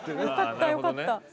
よかったよかった。